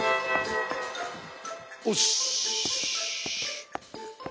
おし！